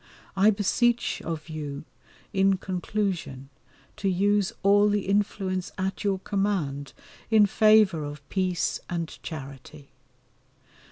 I beseech of you in conclusion to use all the influence at your command in favour of peace and charity.